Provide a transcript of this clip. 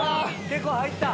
結構入った！